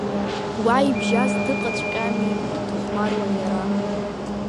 Уа ибжьаз дыҟаҵәҟьами, дыхәмаруан иара.